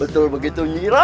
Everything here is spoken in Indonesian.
betul begitu nyira